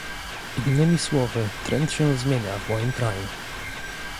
Innymi słowy, trend się zmienia w moim kraju